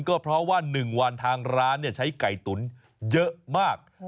ก็เพราะว่า๑วันทางร้านใช้ไก่ตุ๋นเยอะมาก